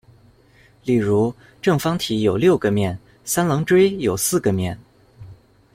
例如：正方体有六个面，三棱锥有四个面。